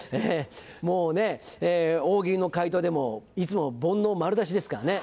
もうね大喜利の回答でもいつも煩悩丸出しですからね。